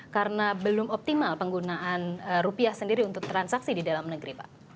karena belum optimal penggunaan rupiah sendiri untuk transaksi di dalam negeri pak